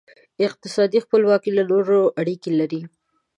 اقتصادي خپلواکي له نورو اړیکې لري.